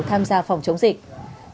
tham gia phòng chống dịch